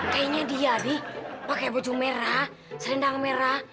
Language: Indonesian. kayaknya dia bi pakai bocung merah serendang merah